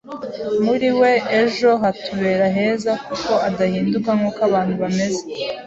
muri we ejo hatubera heza kuko adahinduka nkuko abantu bameze